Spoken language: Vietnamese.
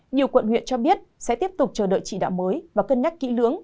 nhiều quận huyện cho biết sẽ tiếp tục chờ đợi chỉ đạo mới và cân nhắc kỹ lưỡng